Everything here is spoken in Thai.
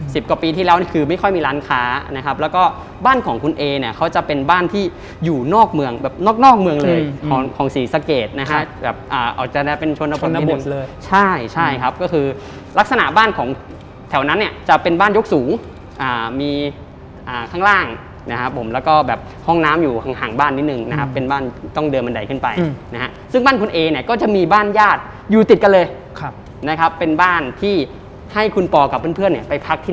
สิบกว่าปีที่แล้วคือไม่ค่อยมีร้านค้านะครับแล้วก็บ้านของคุณเอเนี่ยเขาจะเป็นบ้านที่อยู่นอกเมืองแบบนอกเมืองเลยของสีสะเกดนะครับแบบอาจจะได้เป็นชนบทเลยใช่ใช่ครับก็คือลักษณะบ้านของแถวนั้นเนี่ยจะเป็นบ้านยกสูงมีข้างล่างนะครับผมแล้วก็แบบห้องน้ำอยู่ห่างบ้านนิดนึงนะครับเป็นบ้านต้องเดินบันไดขึ้